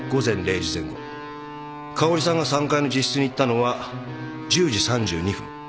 香織さんが３階の自室に行ったのは１０時３２分。